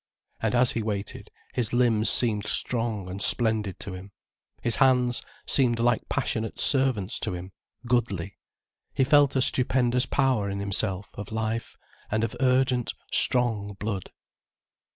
And as he waited, his limbs seemed strong and splendid to him, his hands seemed like passionate servants to him, goodly, he felt a stupendous power in himself, of life, and of urgent, strong blood.